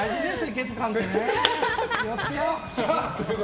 気を付けよう。